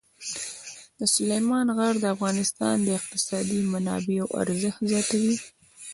سلیمان غر د افغانستان د اقتصادي منابعو ارزښت زیاتوي.